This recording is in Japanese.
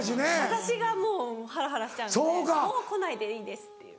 私がもうはらはらしちゃうんで来ないでいいですっていう。